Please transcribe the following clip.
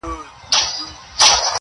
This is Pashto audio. ورک سم په هینداره کي له ځان سره٫